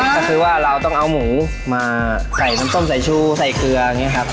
ก็คือว่าเราต้องเอาหมูมาใส่น้ำส้มสายชูใส่เกลืออย่างนี้ครับ